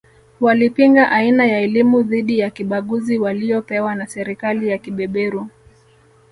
Walipinga aina ya elimu dhidi ya kibaguzi waliyopewa na serikali ya kibeberu